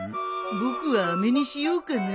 僕はあめにしようかな。